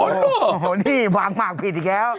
โอ้โหเนี่ยหวางผิดอีกแล้ว